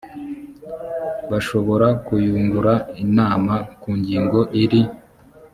bashobora kuyungura inama ku ngingo iri